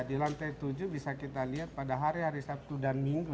di lantai tujuh bisa kita lihat pada hari hari sabtu dan minggu